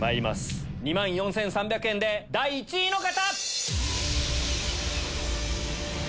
２万４３００円で第１位の方！